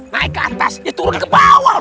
naik ke atas dia turun ke bawah